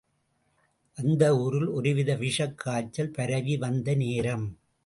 அந்த ஊரில், ஒருவித விஷக் காய்ச்சல் பரவி வந்த நேரம்.